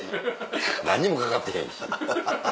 何にも掛かってへんし。